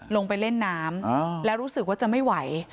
ลงไปเล่นน้ำแล้วรู้สึกว่าจะไม่ไหว